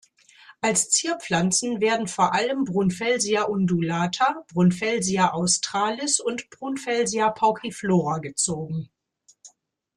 Als Zierpflanzen werden vor allem "Brunfelsia undulata", "Brunfelsia australis" und "Brunfelsia pauciflora" gezogen.